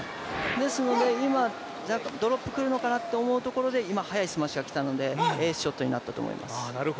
ですので今、ドロップ来るのかなと思うところでスマッシュが来たので、いいショットになったと思います。